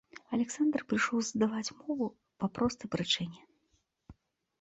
Аляксандр прыйшоў здаваць мову па простай прычыне.